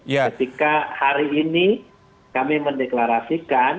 ketika hari ini kami mendeklarasikan